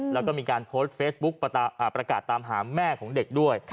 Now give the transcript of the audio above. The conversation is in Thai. แล้วก็มีการโพสต์เฟซบุ๊กประกาศตามหาแม่ของเด็กด้วย